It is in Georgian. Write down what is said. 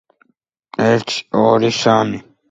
იყო თბილისის „ლოკომოტივისა“ და „დინამოს“ წევრი.